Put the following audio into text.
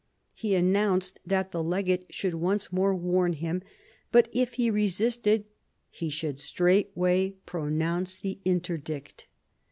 He announced that the legate should once more warn him, but if he resisted he should straightway pronounce the interdict.